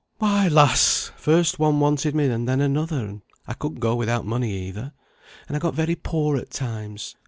"Why, lass! first one wanted me and then another; and I couldn't go without money either, and I got very poor at times.